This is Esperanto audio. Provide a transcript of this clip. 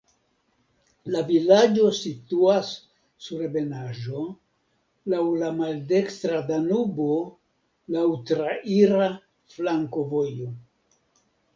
La vilaĝo situas sur ebenaĵo, laŭ la maldekstra Danubo, laŭ traira flankovojo.